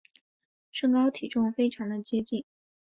身高体重非常的接近